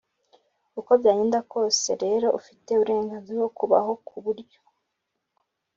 uko byagenda kose rero ufite uburenganzira bwo kubaho ku buryo